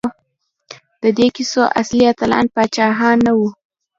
د دې کیسو اصلي اتلان پاچاهان نه وو.